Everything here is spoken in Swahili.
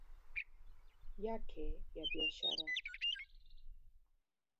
yake ya biashara